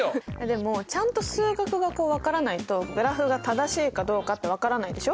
でもちゃんと数学が分からないとグラフが正しいかどうかって分からないでしょ？